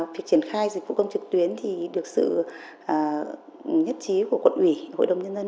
việc triển khai dịch vụ công trực tuyến thì được sự nhất trí của quận ủy hội đồng nhân dân